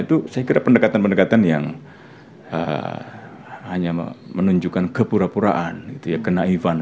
itu saya kira pendekatan pendekatan yang hanya menunjukkan kepura puraan kenaifan